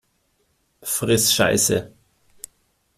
Friss Scheiße!